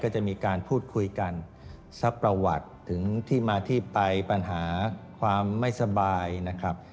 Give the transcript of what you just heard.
ก็จะมีการพูดคุยกันซักประวัติถึงที่มาที่ไปปัญหาความไม่สบายนะครับ